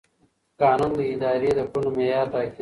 قانون د ادارې د کړنو معیار ټاکي.